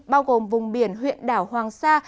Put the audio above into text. bao gồm vùng biển huyện đảo hoàng sa